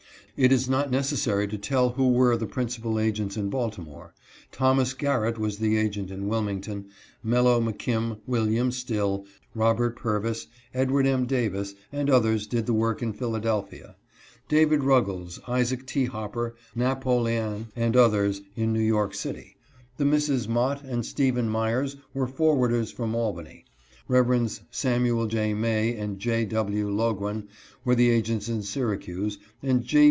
It is not necessary to tell who were the principal agents in Baltimore ; Thomas Garrett was the agent in Wilmington ; Melloe McKim, William Still, Robert Pur vis, Edward M. Davis, and others did the work in Phila delphia ; David Ruggles, Isaac T. Hopper, Napolian, and others, in New York city ; the Misses Mott and Stephen Myers were forwarders from Albany ; Revs. Samuel J. 14 330 APPEAL TO BRITISH FRIENDS. May and J. W. Loguen were the agents in Syracuse ; and J.